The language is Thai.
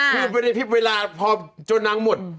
คือพี่เวลาพอจนนางหมด